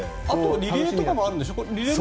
リレーとかもあるんでしょう。